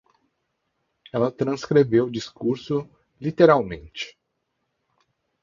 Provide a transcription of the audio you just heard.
Ela transcreveu o discurso, literalmente